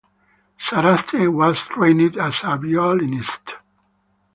Saraste was trained as a violinist.